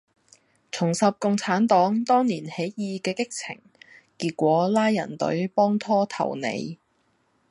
重拾共產黨當年起義既激情，結果拉人隊幫拖投你